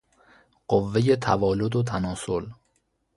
قوهٌ توالد و تناسل